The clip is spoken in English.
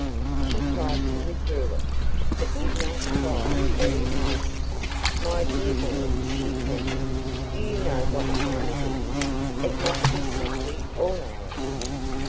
She tried to withdraw it, but did not try very hard. "My dear boy," she trembled, "do you know what time it is? It must be simply ALL hours."